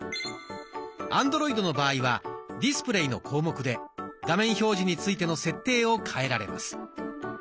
アンドロイドの場合は「ディスプレイ」の項目で画面表示についての設定を変えられます。